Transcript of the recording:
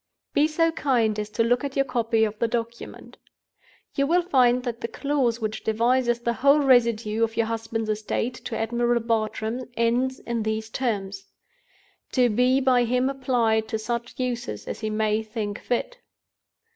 "Be so kind as to look at your copy of the document. You will find that the clause which devises the whole residue of your husband's estate to Admiral Bartram ends in these terms: _to be by him applied to such uses as he may think fit.